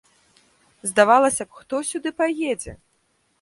Здавалася б, хто сюды паедзе?